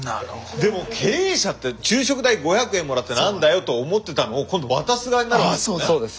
でも経営者って昼食代５００円もらって何だよと思ってたのを今度渡す側になるわけですよね。